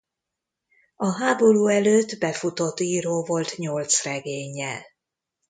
A háború előtt befutott író volt nyolc regénnyel.